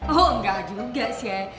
oh enggak juga sih